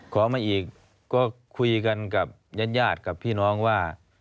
ขอมาอีกก็คุยกันกับญาติกับพี่น้องว่า